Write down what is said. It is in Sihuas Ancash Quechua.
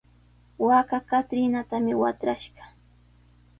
Waakaqa trinatami watrashqa.